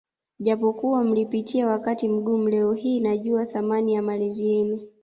Japokuwa mlipitia wakati mgumu leo hii najua thamani ya malezi yenu